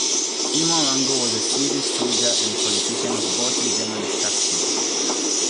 Herman Wrangel was a Swedish soldier and politician of Baltic German extraction.